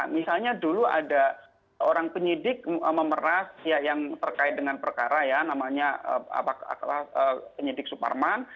misalnya dulu ada seorang penyidik memeras yang terkait dengan perkara ya namanya penyidik suparman